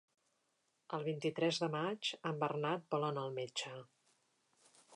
El vint-i-tres de maig en Bernat vol anar al metge.